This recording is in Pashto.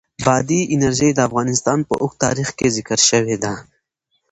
بادي انرژي د افغانستان په اوږده تاریخ کې ذکر شوې ده.